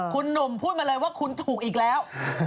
คุณหนุ่มพูดมาเลยว่าคุณถูกอีกแล้ว